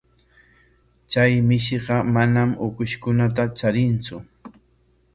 Chay mishiqa manam ukushkunata charintsu.